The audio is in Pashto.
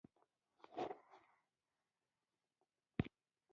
شامل شوي دي